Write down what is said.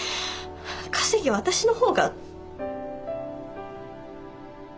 稼ぎは私の方が。